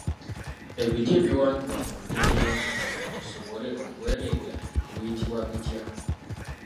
Ebiti ebiwangibwa mu ndere ly’engoma lisobole okwereega biyitibwa bitya?